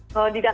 kalau di jakarta